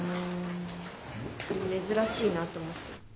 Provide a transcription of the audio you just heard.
珍しいなと思って。